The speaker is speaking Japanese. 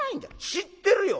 「知ってるよ」。